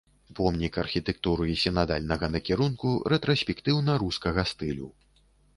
Помнік архітэктуры сінадальнага накірунку рэтраспектыўна-рускага стылю.